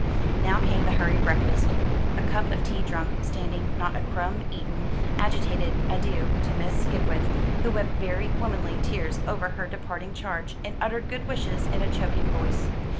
Now came the hurried breakfast a cup of tea drunk, standing, not a crumb eaten; agitated adieux to Miss Skipwith, who wept very womanly tears over her departing charge, and uttered good wishes in a choking voice.